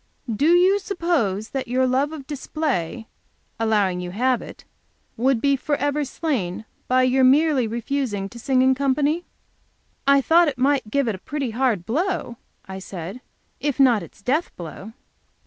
"Do you suppose that your love of display, allowing you have it, would be forever slain by your merely refusing to sing in company?" "I thought that might give it a pretty hard blow," I said, "if not its death blow."